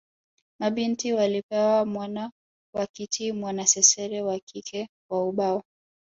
Mabinti walipewa mwana wa kiti mwanasesere wa kike wa ubao